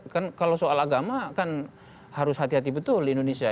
kan kalau soal agama kan harus hati hati betul di indonesia